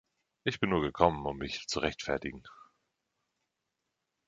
Ich bin nur gekommen, um mich zu rechtfertigen.